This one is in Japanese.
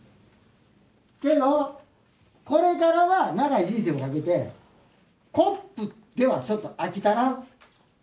けどこれからは長い人生コップではちょっと飽き足らん。